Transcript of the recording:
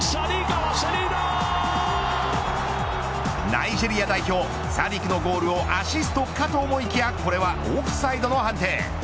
ナイジェリア代表サディクのゴールをアシストかと思いきやこれはオフサイドの判定。